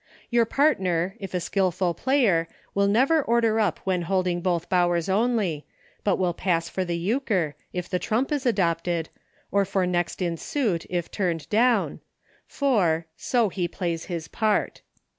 Your partner, if a skillful player, will never order up when holding both Bowers only, but will pass for the Euchre, if the trump is adopted, or for next in suit, if turned down — for "so he plays his part."